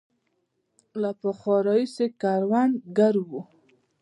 له پخوا راهیسې کروندګر وو.